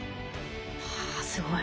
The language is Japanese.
はあすごい。